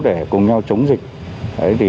để cùng nhau chống dịch